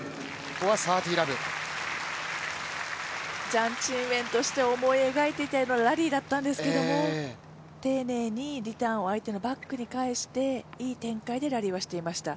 ジャン・チンウェンとして思い描いていたラリーだったんですけれども、ていねいにリターンを相手のバックに返していい展開でラリーはしていました。